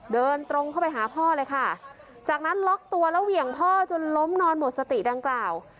เดินตรงเข้าไปหาพ่อเลยค่ะจากนั้นล็อกตัวแล้วเหวี่ยงพ่อจนล้มนอนหมดสติดังกล่าว